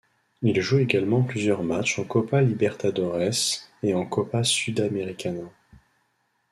Il joue également plusieurs matchs en Copa Libertadores et en Copa Sudamericana.